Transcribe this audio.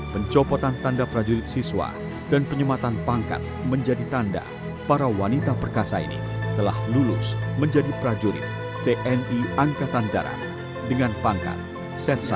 pencopotan tanda prajurit siswa dan penyematan pangkat menjadi tanda para wanita perkasa ini telah lulus menjadi prajurit tni angkatan darat dengan pangkat set satu